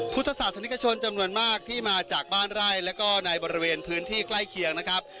พุทธศาสนิกชนจำนวนมากที่มาจากบ้านไร่แล้วก็ในบริเวณพื้นที่ใกล้เคียงนะครับ